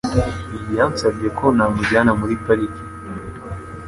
Yansabye ko namujyana muri pariki.